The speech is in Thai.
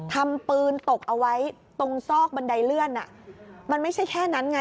ทำปืนตกเอาไว้ตรงซอกบันไดเลื่อนมันไม่ใช่แค่นั้นไง